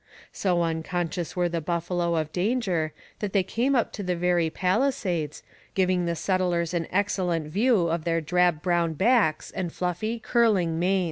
So unconscious were the buffalo of danger that they came up to the very palisades, giving the settlers an excellent view of their drab brown backs and fluffy, curling manes.